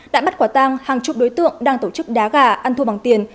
đã bắt quả tang hàng chục đối tượng đang tổ chức đá gà ăn thua bằng tiền